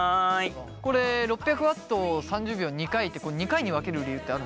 これ６００Ｗ３０秒を２回って２回に分ける理由ってあるんですか？